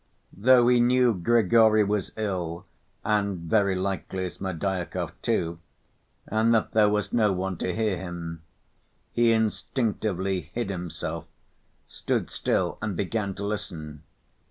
Though he knew Grigory was ill and very likely Smerdyakov, too, and that there was no one to hear him, he instinctively hid himself, stood still, and began to listen.